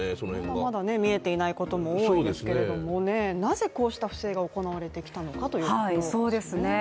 まだまだ見えていないことも多いですけれどもなぜこうした不正が行われてきたのかということですね。